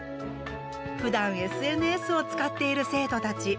ふだんＳＮＳを使っている生徒たち。